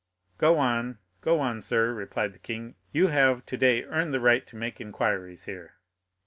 "Go on, go on, sir," replied the king; "you have today earned the right to make inquiries here."